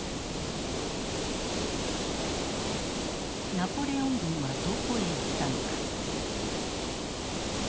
ナポレオン軍はどこへ行ったのか。